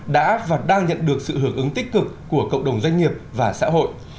đã và đang nhận được sự hưởng ứng tích cực của cộng đồng doanh nghiệp và xã hội